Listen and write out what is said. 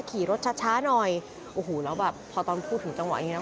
ขี่รถช้าหน่อยโอ้โหน้วพอตอนพูดถึงจังหวะนึงนะ